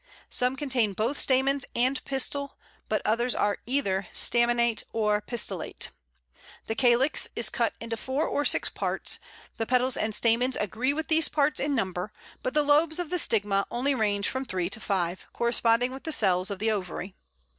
Some contain both stamens and pistil, but others are either stamenate or pistillate. The calyx is cut into four or six parts, the petals and stamens agree with these parts in number, but the lobes of the stigma only range from three to five, corresponding with the cells of the ovary.